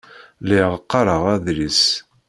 Lliɣ qqaṛeɣ adlis.